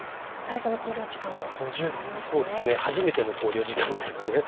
初めての考慮時間ですが。